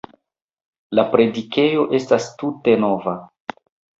La predikejo estas tute nova.